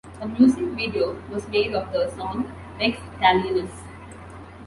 A music video was made of the song "Rex Talionis".